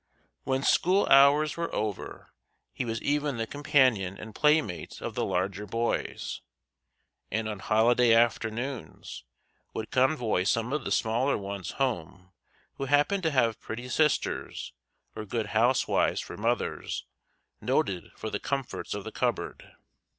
When school hours were over he was even the companion and playmate of the larger boys, and on holiday afternoons would convoy some of the smaller ones home who happened to have pretty sisters or good housewives for mothers noted for the comforts of the cupboard.